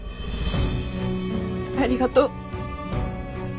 ありがとう。